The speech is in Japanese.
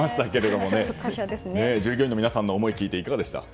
従業員の皆さんの思いを聞いていかがでした？